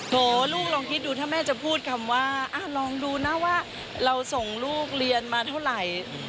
โหลูกลองคิดดูถ้าแม่จะพูดคำว่าลองดูนะว่าเราส่งลูกเรียนมาเท่าไหร่